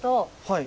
はい。